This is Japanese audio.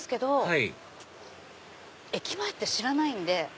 はい駅前って知らないんで。